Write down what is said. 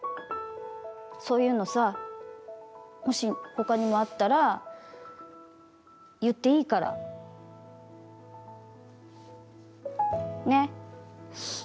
そういうのさもしほかにもあったら言っていいから。ね。